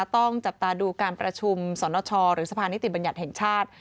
ต้องจับตาดูการประชุมสนชหรือสะพานิติบัญญัติแห่งชาติ